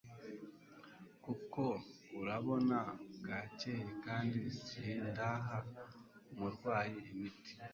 kuko urabona bwakeye kandi sindaha umurwayi imiti